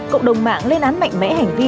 cộng đồng mạng lên án mạnh mẽ hành vi